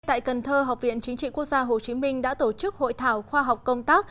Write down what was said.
tại cần thơ học viện chính trị quốc gia hồ chí minh đã tổ chức hội thảo khoa học công tác